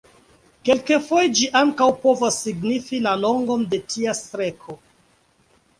Kelkfoje ĝi ankaŭ povas signifi la longon de tia streko.